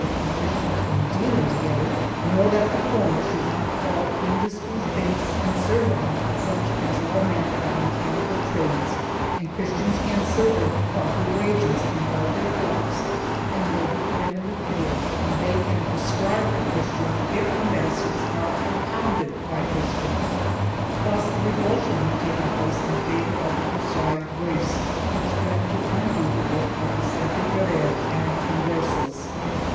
122 THE JEWS AND THE CONVERSOS [BOOK I Christians from dealing together, nor that the former should not follow industries base and servile, such as all manner of mechan ical trades, and Christians can serve them for proper wages and guard their flocks and labor for them in the fields, and they can prescribe for Christians if the medicines are compounded by Christians.1 Thus a revulsion had taken place in favor of the proscribed race which threatened to undo the work of Vicente Ferrer and the Con versos.